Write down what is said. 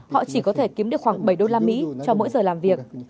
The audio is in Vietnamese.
họ chỉ có thể kiếm được khoảng bảy đô la mỹ cho mỗi giờ làm việc